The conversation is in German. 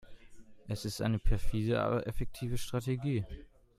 Es ist eine perfide, aber effektive Strategie.